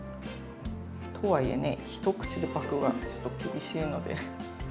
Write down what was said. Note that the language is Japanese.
とはいえね一口でパクはちょっと厳しいので。